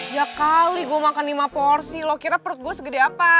ya kali gue makan lima porsi lo kiranya perut gue segede apa